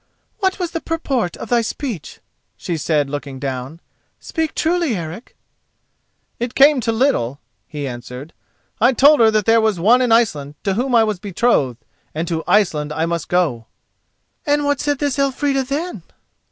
"What was the purport of thy speech?" she said, looking down. "Speak truly, Eric." "It came to little," he answered. "I told her that there was one in Iceland to whom I was betrothed, and to Iceland I must go." "And what said this Elfrida, then?"